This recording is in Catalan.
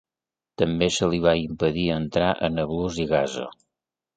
També se li va impedir entrar a Nablus i Gaza.